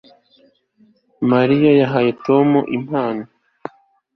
Mariya yahaye Tom impano